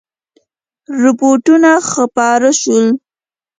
رپوټونه خپاره شول.